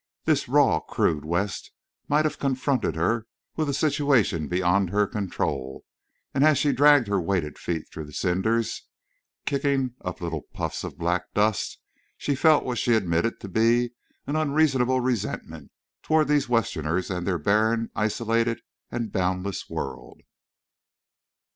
This raw, crude West might have confronted her with a situation beyond her control. And as she dragged her weighted feet through the cinders, kicking, up little puffs of black dust, she felt what she admitted to be an unreasonable resentment toward these Westerners and their barren, isolated, and boundless world.